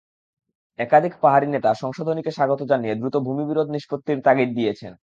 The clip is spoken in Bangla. একাধিক পাহাড়ি নেতা সংশোধনীকে স্বাগত জানিয়ে দ্রুত ভূমিবিরোধ নিষ্পত্তির তাগিদ দিয়েছেন।